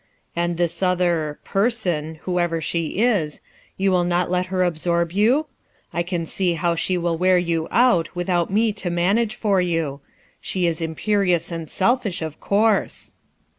"And this other —person —whoever sho is, you will not let her absorb you? I can see how she will wear you out, without inc to manage for you. She is imperious and selfish, of course."